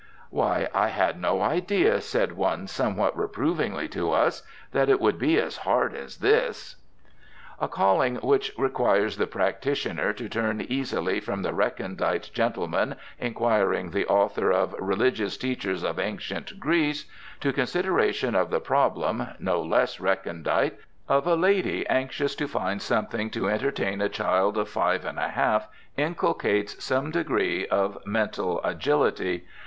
"Why, I had no idea," said one somewhat reprovingly to us, "that it would be as hard as this." A calling which requires the practitioner to turn easily from the recondite gentleman inquiring the author of "Religious Teachers of Ancient Greece" to consideration of the problem (no less recondite) of a lady anxious to find something to entertain a child of five and a half inculcates some degree of mental agility.